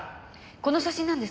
この写真なんですけど。